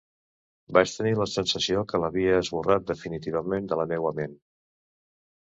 Vaig tenir la sensació que l'havia esborrat, definitivament, de la meua ment.